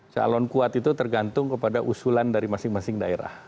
calon kuat itu tergantung kepada usulan dari masing masing daerah